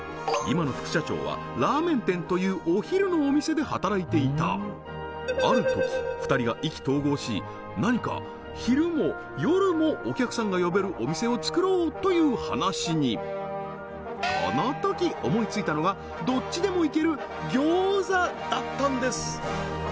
今の副社長はラーメン店というお昼のお店で働いていたあるとき２人が意気投合し何か昼も夜もお客さんが呼べるお店を作ろうという話にこのとき思いついたのがどっちでもいける餃子だったんです！